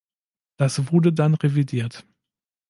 Das wurde dann revidiert.